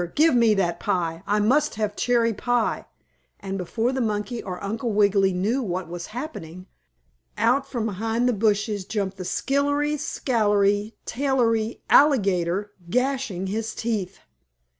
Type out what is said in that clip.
Give me that pie! I must have cherry pie!" and before the monkey or Uncle Wiggily knew what was happening, out from behind the bushes jumped the skillery scallery tailery alligator, gnashing his teeth.